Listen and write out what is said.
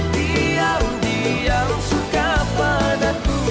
diam diam suka padaku